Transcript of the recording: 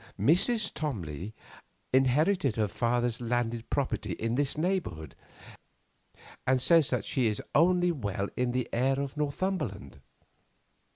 Mrs. Tomley inherited her uncle's landed property in this neighbourhood, and says that she is only well in the air of Northumberland.